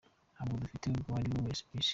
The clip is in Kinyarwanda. Nta bwoba dufitiye uwo ariwe wese ku Isi.